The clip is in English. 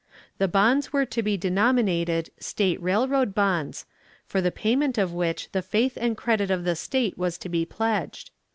The bonds were to be denominated "State Railroad Bonds," for the payment of which the faith and credit of the state was to be pledged.